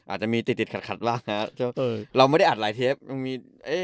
อาจจะมีติดติดขัดขัดบ้างฮะเออเราไม่ได้อัดหลายเทปมีเอ๊ะ